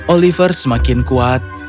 oliver semakin kuat